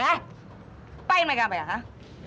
eh pahin mereka apa ya hah